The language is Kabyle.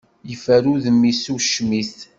Yeffer udem-is ucmit.